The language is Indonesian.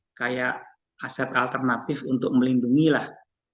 jadi semacam kayak aset alternatif untuk melindungi lah